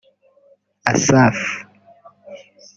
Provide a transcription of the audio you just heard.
Asaph